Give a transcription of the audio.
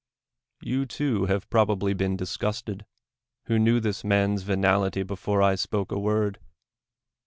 You, too, have probably been dis gusted, who knew this man's venality before I spoke a word.